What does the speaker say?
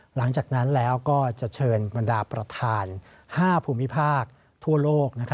หลังจากนั้นแล้วก็จะเชิญบรรดาประธาน๕ภูมิภาคทั่วโลก